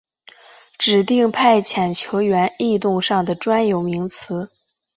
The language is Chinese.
指定派遣球员异动上的专有名词。